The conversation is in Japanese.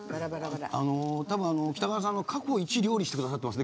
北川さん、過去一料理してくださってますね